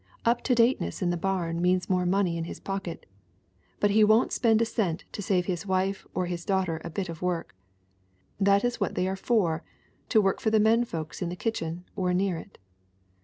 Up to dateness in the barn means more money in his pocket. But he won't spend a cent to save his wife or his daughter a bit of work. That is what they are for to work for the men folks in the kitchen or near it.